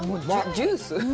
ジュース？